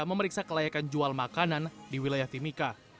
memeriksa kelayakan jual makanan di wilayah timika